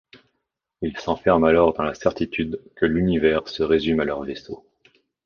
Ils s'enferment alors dans la certitude que l'univers se résume à leur vaisseau.